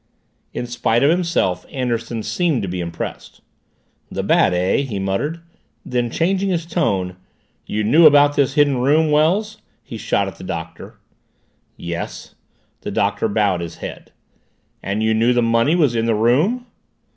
In spite of himself Anderson seemed to be impressed. "The Bat, eh?" he muttered, then, changing his tone, "You knew about this hidden room, Wells?" he shot at the Doctor. "Yes." The Doctor bowed his head. "And you knew the money was in the room?"